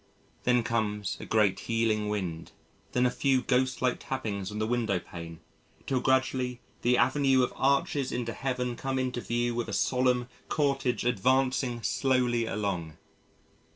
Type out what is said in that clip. Then comes a great healing wind, then a few ghost like tappings on the window pane till gradually the Avenue of Arches into Heaven come into view with a solemn cortege advancing slowly along.